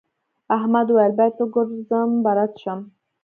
احمد وويل: باید وګرځم بلد شم.